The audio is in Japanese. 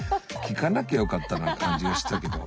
聞かなきゃよかったような感じがしたけど。